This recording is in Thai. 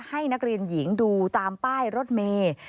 ให้นักเรียนหญิงดูตามป้ายรถเมย์